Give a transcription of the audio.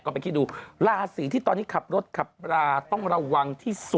ก็ไปคิดดูราศีที่ตอนนี้ขับรถขับราต้องระวังที่สุด